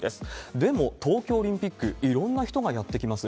でも東京オリンピック、いろんな人がやって来ます。